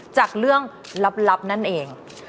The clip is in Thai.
จากเรื่องลับนั่นเอง